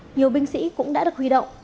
nhiều binh sĩ cũng đã được huy động